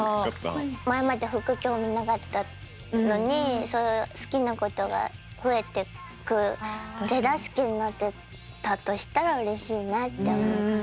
前まで服興味なかったのにそういう好きなことが増えてく手助けになってたとしたらうれしいなって思った。